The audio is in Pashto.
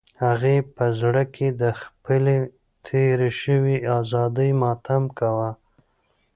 هغې په زړه کې د خپلې تېرې شوې ازادۍ ماتم کاوه.